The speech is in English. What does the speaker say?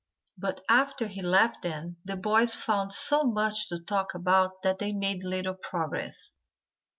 But after he left them the boys found so much to talk about that they made little progress.